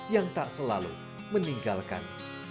yang tak selalu meninggalkan kisah pilu